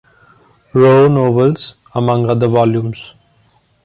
Roe novels among other volumes.